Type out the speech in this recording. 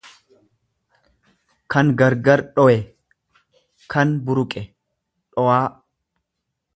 kan gargar dhowe, kan buruqe, dhowaa.